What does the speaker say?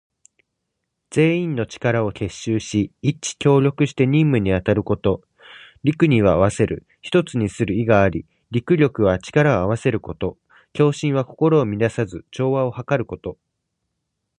全員の力を結集し、一致協力して任務に当たること。「戮」には合わせる、一つにする意があり、「戮力」は力を合わせること。「協心」は心を乱さず、調和をはかること。